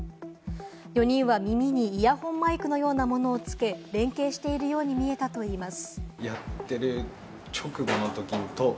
４人は耳にイヤホンマイクのようなものを付け、連携しているように見えたといいます。